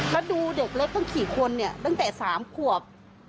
แล้วดูเด็กเล็กตั้ง๔คนเนี่ยตั้งแต่๓ขวบ